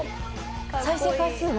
再生回数は？